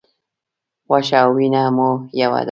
غوښه او وینه مو یوه ده.